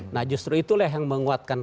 nah justru itulah yang menguatkan